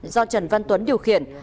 do trần văn tuấn điều khiển